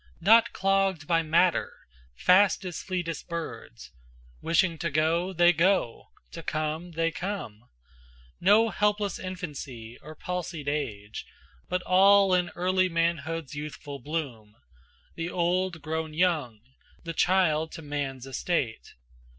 Not clogged by matter, fast as fleetest birds, Wishing to go, they go; to come, they come. No helpless infancy or palsied age, But all in early manhood's youthful bloom, The old grown young, the child to man's estate.